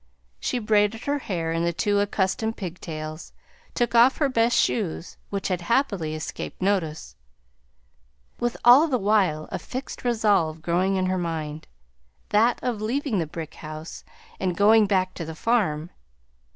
She braided her hair in the two accustomed pig tails, took off her best shoes (which had happily escaped notice), with all the while a fixed resolve growing in her mind, that of leaving the brick house and going back to the farm.